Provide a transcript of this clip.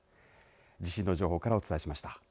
地震の情報からお伝えしました。